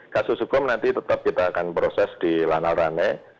kasus hukum nanti tetap kita akan proses di lanal rane